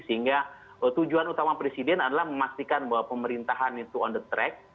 sehingga tujuan utama presiden adalah memastikan bahwa pemerintahan itu on the track